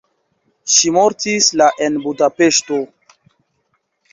Ŝi mortis la en Budapeŝto.